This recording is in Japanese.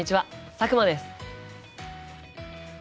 佐久間です。